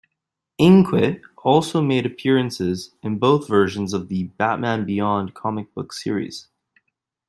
Inque also made appearances in both versions of the "Batman Beyond" comic book series.